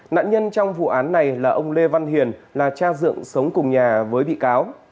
nạn nhân trong vụ án này là ông lê văn hiền là cha dựng sống cùng nhà với bị cáo